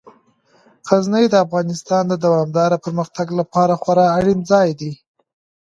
غزني د افغانستان د دوامداره پرمختګ لپاره خورا اړین ځای دی.